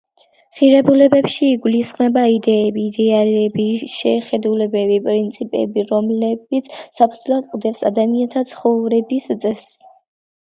ღირებულებებში იგულისხმება იდეები, იდეალები, შეხედულებები, პრინციპები, რომლებიც საფუძვლად უდევს ადამიანთა ცხოვრების წესს.